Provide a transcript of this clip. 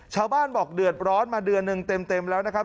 ชาวบ้านบอกเดือดร้อนมาเดือนหนึ่งเต็มแล้วนะครับ